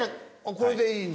これでいいんだ？